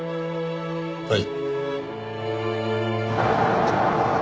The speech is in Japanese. はい。